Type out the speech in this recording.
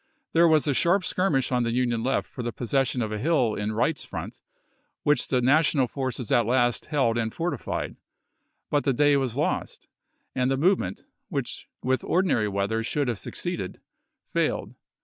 There was a sharp skirmish on the Union left for the possession of a hill in Wright's front, which the National forces at last held and fortified. But the day was lost, and the movement, which with ordinary weather should have succeeded, failed.